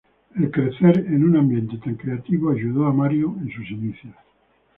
El crecer en un ambiente tan creativo ayudó a Marion en sus inicios.